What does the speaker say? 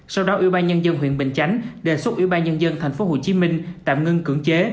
sau đó ủy ban nhân dân huyện bình chánh đề xuất ủy ban nhân dân tp hcm tạm ngưng cưỡng chế